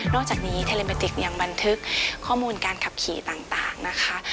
อกจากนี้เทเลเมติกยังบันทึกข้อมูลการขับขี่ต่างนะคะ